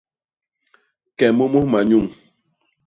Ke mômôs manyuñ.